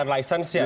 ya ada license gak